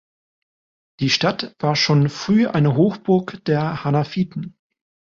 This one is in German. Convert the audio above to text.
Die Stadt war schon früh eine Hochburg der Hanafiten.